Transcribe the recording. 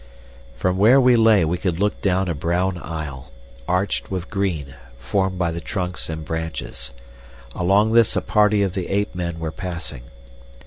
From where we lay we could look down a brown aisle, arched with green, formed by the trunks and branches. Along this a party of the ape men were passing.